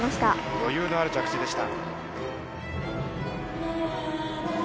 余裕のある着地でした。